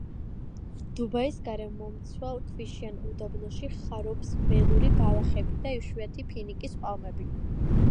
დუბაის გარემომცველ ქვიშიან უდაბნოში ხარობს ველური ბალახები და იშვიათი ფინიკის პალმები.